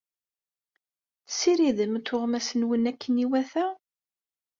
Tessiridem tuɣmas-nwen akken iwata?